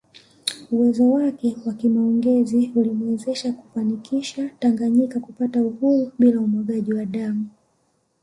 Uwezo wake wa kimaongezi ulimwezesha kufanikisha Tanganyika kupata uhuru bila umwagaji wa damu